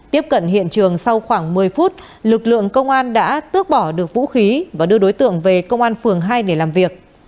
tiếp cận hiện trường sau khoảng một mươi phút lực lượng công an đã tước bỏ được vũ khí và đưa đối tượng về công an phường hai để làm việc